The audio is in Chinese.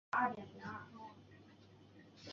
之后几个赛季格林转辗多支球队。